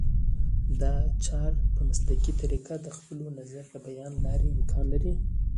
دا چاره په مسلکي طریقه د خپل نظر د بیان له لارې امکان لري